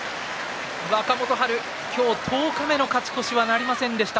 若元春、今日十日目の勝ち越しはなりませんでした。